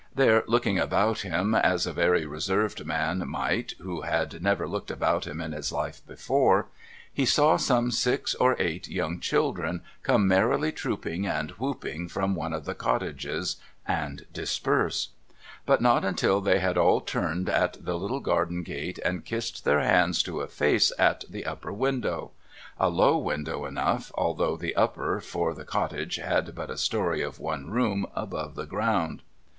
There, looking about him as a very reserved man might who had never looked about him in his life before, he saw some six or eight young children come merrily trooping and whooping from one of the cottages, and disperse. But not until they had all turned at the little garden gate, and kissed their hands to a face at the upper window : a low window enough, although the upper, for the cottage had but a story of one room above the ground.